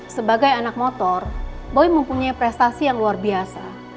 sebagai anak motor boy mempunyai prestasi yang luar biasa